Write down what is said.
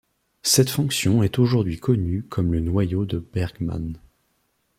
Cette fonction est aujourd'hui connue comme le noyau de Bergman.